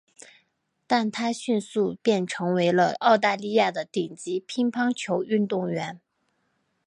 但她迅速变成为了澳大利亚的顶级乒乓球运动员。